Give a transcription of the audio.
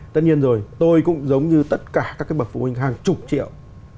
tất nhiên rồi tôi cũng giống như tất cả các bậc phụ huynh hàng chục triệu